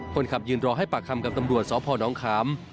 คนขับยืนรอให้ปากคำกับตำรวจสพนขาม